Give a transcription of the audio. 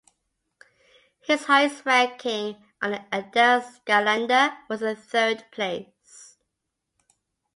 His highest ranking on the Adelskalender was a third place.